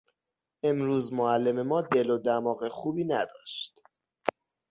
امروز معلم ما دل و دماغ خوبی نداشت.